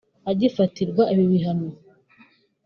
Agifatirwa ibi bihano